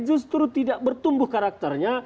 justru tidak bertumbuh karakternya